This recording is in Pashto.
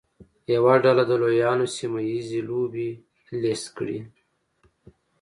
یوه ډله د لویانو سیمه ییزې لوبې لیست کړي.